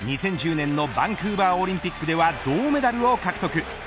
２０１０年のバンクーバーオリンピックでは銅メダルを獲得。